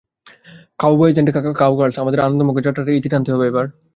Cowboys and cowgirls, আমাদের আনন্দমুখর যাত্রাটার ইতি টানতে হবে এবার।